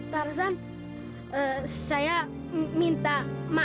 tarzan sudah itu